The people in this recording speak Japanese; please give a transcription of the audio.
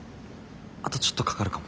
あとちょっとかかるかも。